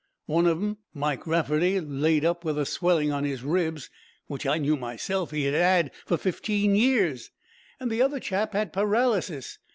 One of 'em, Mike Rafferty, laid up with a swelling on his ribs, which I knew myself he 'ad 'ad for fifteen years, and the other chap had paralysis.